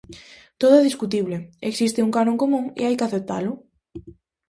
Todo é discutible, existe un canon común e hai que aceptalo.